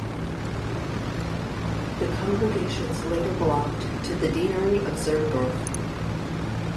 The congregations later belonged to the Deanery of Zirndorf.